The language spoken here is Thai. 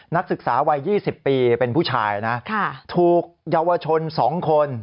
นักศึกษาวัย๒๐ปีเป็นผู้ชายนะถูกเยาวชน๒คน